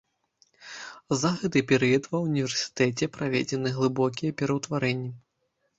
За гэты перыяд ва ўніверсітэце праведзены глыбокія пераўтварэнні.